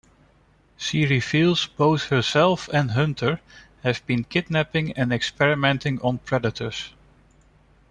She reveals both herself and Hunter have been kidnapping and experimenting on Predators.